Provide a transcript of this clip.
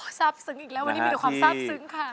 ทราบซึ้งอีกแล้ววันนี้มีแต่ความทราบซึ้งค่ะ